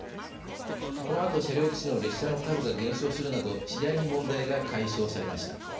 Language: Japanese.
このあと、車両基地の列車の数が減少するなど次第に問題が解消されました。